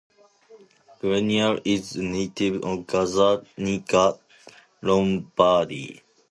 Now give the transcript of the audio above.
Guerini is a native of Gazzaniga, Lombardy.